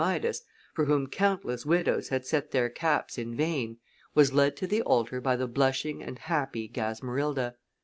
Midas, for whom countless widows had set their caps in vain, was led to the altar by the blushing and happy Gasmerilda.